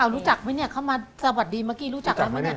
อ้าวรู้จักไม่เนี่ยเค้ามาสวัสดีเมื่อกี้รู้จักมั้ยเนี่ย